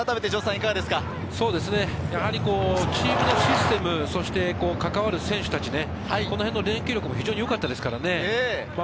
チームのシステム、関わる選手たち、このへんの連携力も非常によかったですからね。